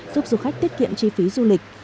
giúp du khách tiết kiệm chi phí du lịch